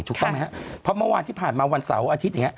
ถูกต้องไหมฮะเพราะเมื่อวานที่ผ่านมาวันเสาร์อาทิตย์